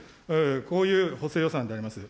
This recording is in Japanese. こういう補正予算であります。